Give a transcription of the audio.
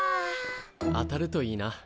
当たるといいな。